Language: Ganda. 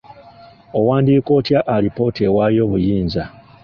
Owandiika otya alipoota ewaayo obuyinza?